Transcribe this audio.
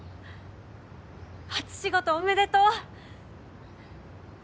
初仕事おめでとう。